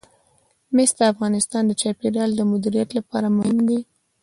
مس د افغانستان د چاپیریال د مدیریت لپاره مهم دي.